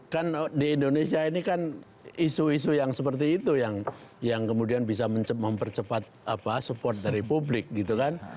kan di indonesia ini kan isu isu yang seperti itu yang kemudian bisa mempercepat support dari publik gitu kan